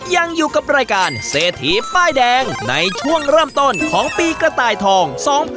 ยังอยู่กับรายการเศรษฐีป้ายแดงในช่วงเริ่มต้นของปีกระต่ายทอง๒๕๖๒